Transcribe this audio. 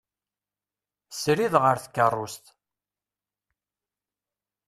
Srid ɣer tkerrust.